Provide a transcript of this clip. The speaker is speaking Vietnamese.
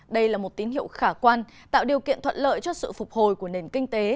đây là một tín hiệu khả quan tạo điều kiện thuận lợi cho sự phục hồi của nền kinh tế